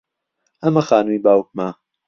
ئەمە خانووی باوکمە.